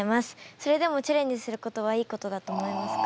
それでもチャレンジすることはいいことだと思いますか？